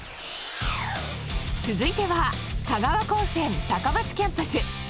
続いては香川高専高松キャンパス。